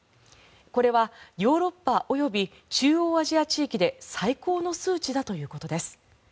これはヨーロッパ及び中央アジア地域で最高の数値だということです。